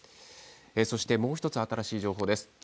そしてもう１つ新しい情報です。